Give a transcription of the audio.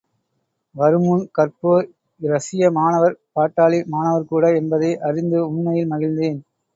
வருமுன் கற்போர், இரஷிய மாணவர் பாட்டாளி மாணவர்கூட என்பதை அறிந்து உண்மையில் மகிழ்ந்தேன்.